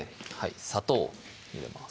砂糖を入れます